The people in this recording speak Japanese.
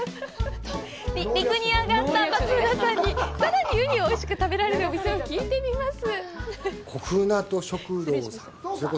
陸に上がった松村さんにさらにウニをおいしく食べられるお店を聞いてみます。